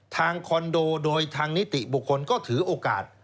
คอนโดโดยทางนิติบุคคลก็ถือโอกาส